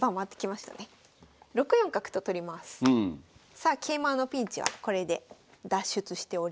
さあ桂馬のピンチはこれで脱出しております。